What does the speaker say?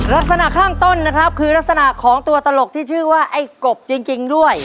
ลักษณะข้างต้นนะครับคือลักษณะของตัวตลกที่ชื่อว่าไอ้กบจริงด้วย